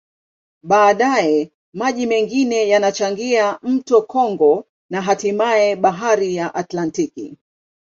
Baadaye, maji mengine yanachangia mto Kongo na hatimaye Bahari ya Atlantiki.